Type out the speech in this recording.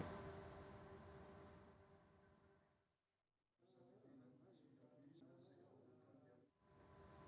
pemerintah dan masyarakat gorontalo merasa merasa kehilangan